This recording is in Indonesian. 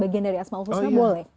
bagian dari asma'ul husna boleh